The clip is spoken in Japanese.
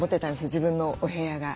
自分のお部屋が。